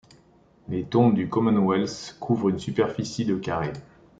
Les tombes du Commonwealth couvrent une superficie de carrés.